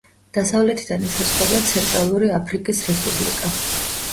დასავლეთიდან ესაზღვრება ცენტრალური აფრიკის რესპუბლიკა.